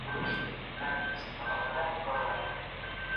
ايا سياست واقعا علم دی؟